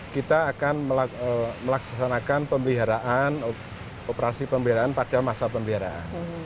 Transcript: kita akan melaksanakan pemeliharaan operasi pemeliharaan pada masa pemeliharaan